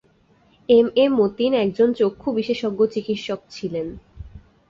M A Matin একজন চক্ষু বিশেষজ্ঞ চিকিৎসক ছিলেন।